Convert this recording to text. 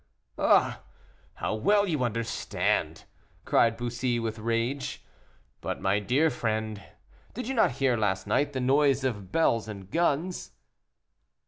"Ah! how well you understand!" cried Bussy, with rage; "but, my dear friend, did you not hear last night the noise of bells and guns?"